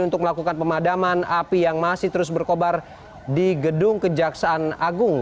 untuk melakukan pemadaman api yang masih terus berkobar di gedung kejaksaan agung